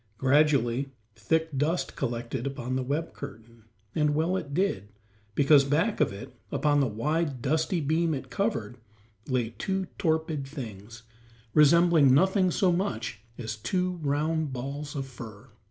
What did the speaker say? Gradually thick dust collected upon the web curtain, and well it did, because back of it, upon the wide, dusty beam it covered, lay two torpid things, resembling nothing so much as two round balls of brown fur.